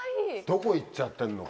どこ行っちゃってんの？